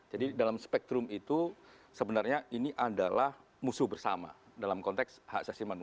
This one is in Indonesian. jadi dalam spektrum itu sebenarnya ini adalah musuh bersama dalam konteks hak asasi manusia